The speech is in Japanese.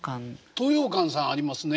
東洋館さんありますね。